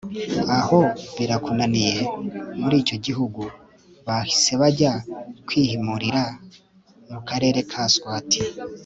aho birukaniwe muri icyo gihugu, bahise bajya kwihimurira mu karere ka swati